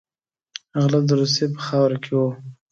غله د روسیې په خاوره کې وو.